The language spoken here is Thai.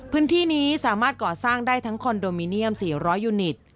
พื้นที่นี้สามารถก่อสร้างได้ทั้งคอนโดมิเนียม๔๐๐ยูนิต